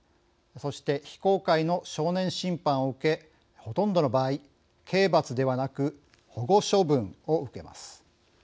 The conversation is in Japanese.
そして、非公開の少年審判を受けほとんどの場合、刑罰ではなく保護処分を受けます。